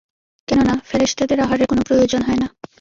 কেননা, ফেরেশতাদের আহারের কোন প্রয়োজন হয় না।